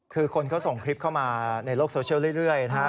คือคนเขาส่งคลิปเข้ามาในโลกโซเชียลเรื่อยนะฮะ